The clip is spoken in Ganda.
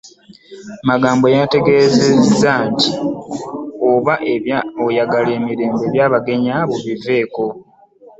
Magambo yantegeeza nti, “Oba oyagala emirembe eby’abagenyi bo biveeko,”